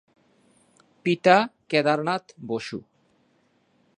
পিতা কেদারনাথ বসু।